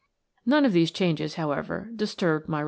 None of these changes, however, disturbed my repose.